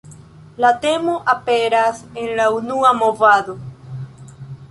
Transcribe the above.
La temo aperas en la unua movado.